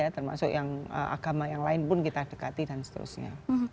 termasuk yang agama yang lain pun kita dekati dan seterusnya